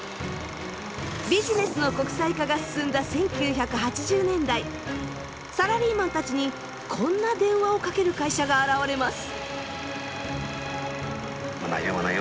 ビジネスの国際化が進んだ１９８０年代サラリーマンたちにこんな電話をかける会社が現れます。